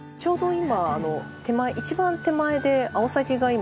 今。